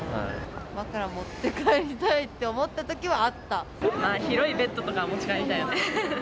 枕持って帰りたいって思った広いベッドとかは持ち帰りたいね。